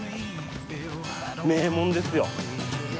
名門ですよ。